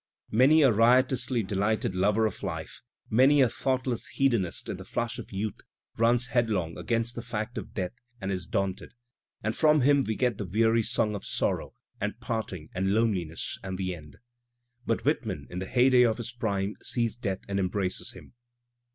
Many a riotously delighted lover of life, many a thought less hedonist in the flush of youth, runs headlong against the fact of Death and is daunted, and from him we get the weary song of sorrow and parting and loneliness and the end. But Whitman in the heyday of his prime sees Death and embraces Him.